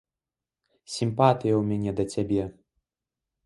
Сімпатыя ў мяне да цябе.